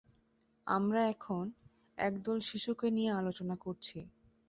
আমরা এখন, একদল শিশুকে নিয়ে আলোচনা করছি।